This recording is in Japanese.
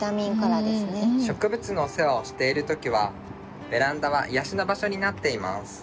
植物のお世話をしている時はベランダは癒やしの場所になっています。